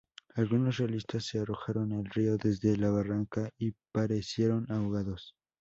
Algunos realistas se arrojaron al río desde la barranca y perecieron ahogados.